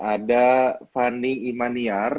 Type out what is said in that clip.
ada fani imaniar